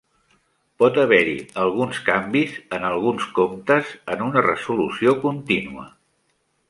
Pot haver-hi alguns canvis en alguns comptes en una resolució contínua.